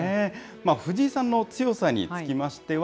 藤井さんの強さにつきましては、